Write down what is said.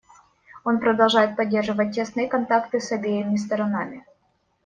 Он продолжает поддерживать тесные контакты с обеими сторонами.